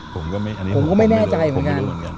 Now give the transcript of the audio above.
ผมก็ไม่แน่ใจเหมือนกัน